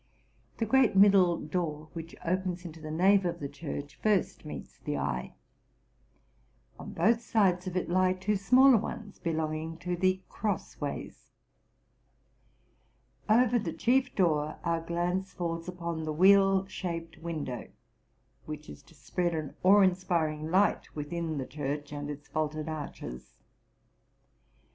The great middle door, which opens into the nave of the church, first meets the eye. On both sides of it lie two smaller ones, belonging to the cross ways. Over the chief door our glance falls upon the wheel shaped window, which is to spread an awe inspiring light within the church and its vaulted arches.